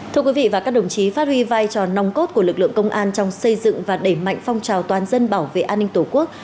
thưa quý vị và các đồng chí phát huy vai trò nòng cốt của lực lượng công an trong xây dựng và đẩy mạnh phong trào toàn dân bảo vệ an ninh tổ quốc